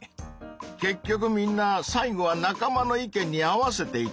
結局みんな最後は仲間の意見に合わせていたよね！